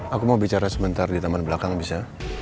aku mau bicara sebentar di taman belakang bisa